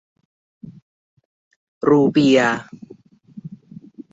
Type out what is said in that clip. รูเปียห์